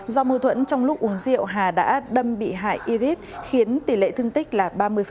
do mâu thuẫn trong lúc uống rượu hà đã đâm bị hại irit khiến tỷ lệ thương tích là ba mươi